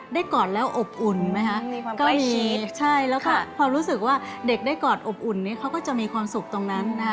กอดแล้วอบอุ่นไหมคะมีความใกล้ชิดใช่แล้วก็ความรู้สึกว่าเด็กได้กอดอบอุ่นนี้เขาก็จะมีความสุขตรงนั้นนะคะ